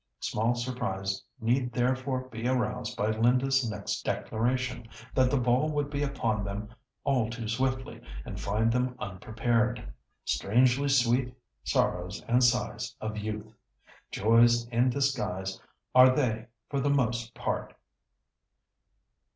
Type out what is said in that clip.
Small surprise need therefore be aroused by Linda's next declaration, that the ball would be upon them all too swiftly, and find them unprepared. Strangely sweet sorrows and sighs of youth! joys in disguise are they for the most part.